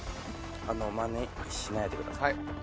マネしないでください。